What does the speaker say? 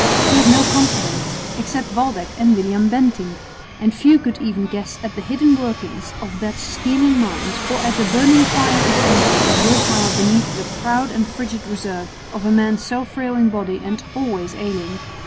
He had no confidants, except Waldeck and William Bentinck; and few could even guess at the hidden workings of that scheming mind or at the burning fires of energy and will power beneath the proud and frigid reserve of a man so frail in body and always ailing.